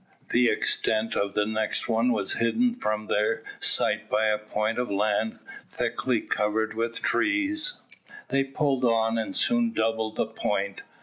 The extent of the next one was hidden from their sight by a point of land thickly covered with trees. They pulled on, and soon doubled the point.